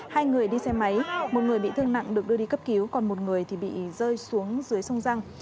hai người đi xe máy một người bị thương nặng được đưa đi cấp cứu còn một người thì bị rơi xuống dưới sông răng